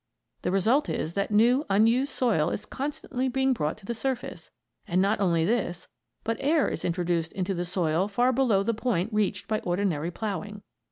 The result is that new unused soil is constantly being brought to the surface; and not only this, but air is introduced into the soil far below the point reached by ordinary ploughing.